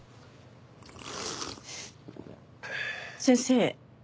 先生。